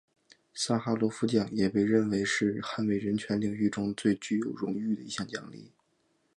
萨哈罗夫奖也被认为是捍卫人权领域中最具有荣誉的一项奖励。